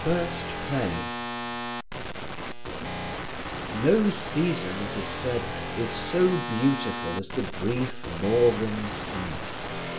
CHAPTER IX No season, it is said, is so beautiful as the brief northern summer.